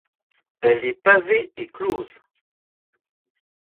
Elle est pavée et close.